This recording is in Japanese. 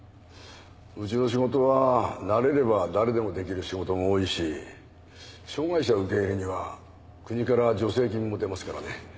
うちの仕事は慣れれば誰でもできる仕事が多いし障がい者受け入れには国から助成金も出ますからね。